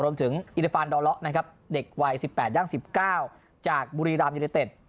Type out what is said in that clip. อิริฟานดอเลาะนะครับเด็กวัย๑๘ย่าง๑๙จากบุรีรามยูเนเต็ด